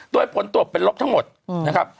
โดยผลตรวจเป็นลบทั้งหมดนะครับ